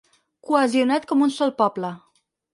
Cohesionat com un sol poble.